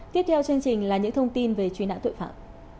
tiếp theo chương trình là những thông tin về truy nã tội phạm